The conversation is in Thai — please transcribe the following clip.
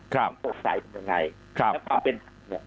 ครับสงสัยเป็นยังไง